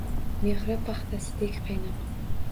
Mehri- paxtasidek qaynoq…